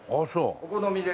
お好みで。